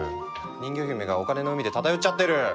人魚姫がお金の海で漂っちゃってる！